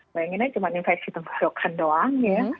bayangin aja cuma infeksi tenggorokan doang ya